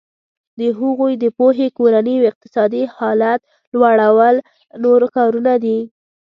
د هغوی د پوهې کورني او اقتصادي حالت لوړول نور کارونه دي.